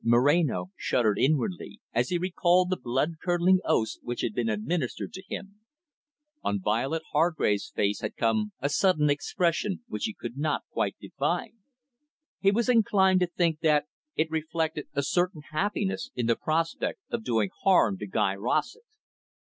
Moreno shuddered inwardly, as he recalled the blood curdling oaths which had been administered to him. On Violet Hargrave's face had come a sudden expression which he could not quite define. He was inclined to think that it reflected a certain happiness in the prospect of doing harm to Guy Rossett.